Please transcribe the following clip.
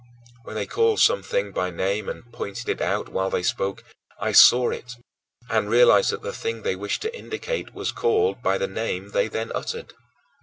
When they called some thing by name and pointed it out while they spoke, I saw it and realized that the thing they wished to indicate was called by the name they then uttered.